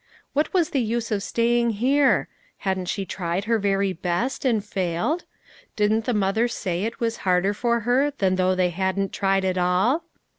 What was the use of staying here ? Hadn't she tried her very best and failed? didn't the mother say it was harder for her than though they hadn't tried at all?